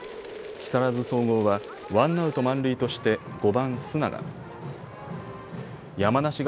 木更津総合はワンアウト満塁として５番・須永。